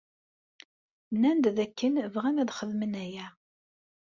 Nnan-d dakken bɣan ad xedmen aya.